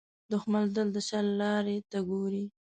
دښمن تل د شر لارې ته ګوري